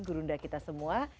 gurunda kita semua